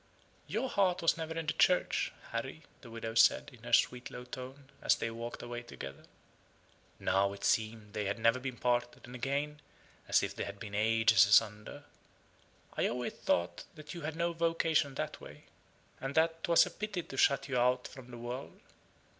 "Your heart was never in the Church, Harry," the widow said, in her sweet low tone, as they walked away together. (Now, it seemed they never had been parted, and again, as if they had been ages asunder.) "I always thought you had no vocation that way; and that 'twas a pity to shut you out from the world.